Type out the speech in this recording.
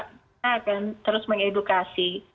kita akan terus mengedukasi